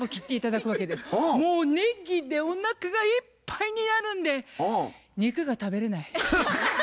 もうねぎでおなかがいっぱいになるんで肉が食べれない。